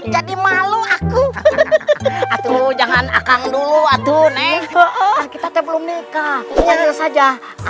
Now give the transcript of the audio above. jadi malu aku aku jangan akan dulu atuh neng kita belum nikah saja